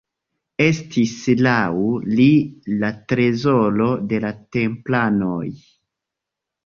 Estis laŭ li la trezoro de la templanoj.